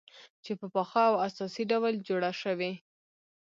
چې په پاخه او اساسي ډول جوړه شوې،